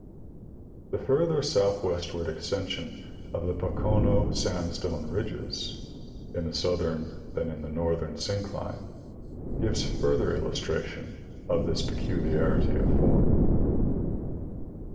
The further soiithwestward extension of the Pocono sandstone ridges in the southern than in the northern syncline gives further illustration of this peculiarity of form.